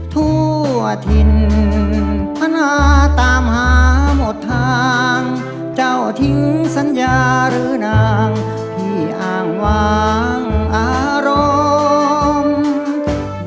ทั่วถิ่นพนาตามหาหมดทางเจ้าทิ้งสัญญาหรือนางที่อ้างวางอารมณ์